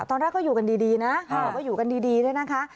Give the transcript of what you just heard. ตอนนั้นก็อยู่กันดีดีนะค่ะก็อยู่กันดีดีด้วยนะคะ